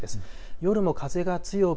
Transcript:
夜も風が強く